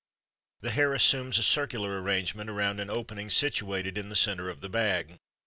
The hair assumes a circular arrangement around an opening situated in the centre of the bag.